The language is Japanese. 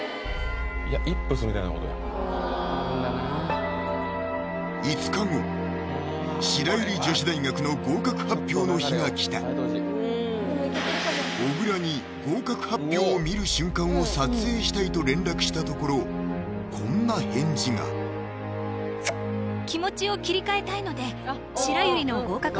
いやイップスみたいなことや５日後白百合女子大学の合格発表の日が来た小倉に合格発表を見る瞬間を撮影したいと連絡したところこんな返事が大変ですね